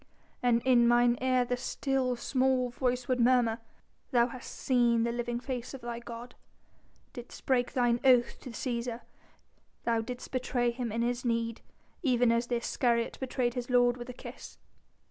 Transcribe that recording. "And in mine ear the still, small voice would murmur: 'Thou hast seen the living face of thy God, didst break thine oath to Cæsar! thou didst betray him in his need, even as the Iscariot betrayed his Lord with a kiss.'"